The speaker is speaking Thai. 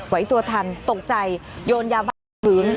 ไว้ตัวทันตกใจโยนยาบ้านถึง